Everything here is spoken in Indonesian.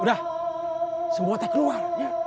udah semua teh keluar